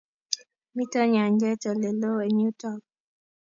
Mito nyanjet ole loo eng yutok